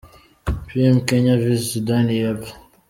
pm - Kenya vs Sudani y’epfo .